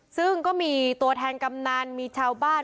ซึ่งก็มีตัวแทนกำนันมีชาวบ้าน